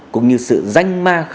cũng như sự danh ma